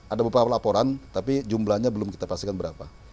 ada beberapa laporan tapi jumlahnya belum kita pastikan berapa